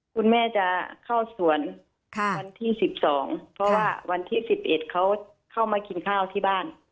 คุณแม่จะเข้าสวนวันที่๑๒เพราะว่าวันที่๑๑เขาเข้ามากินข้าวที่บ้าน